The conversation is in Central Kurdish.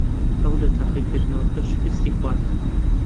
ئەو لە تاقیکردنەوەکە شکستی خوارد.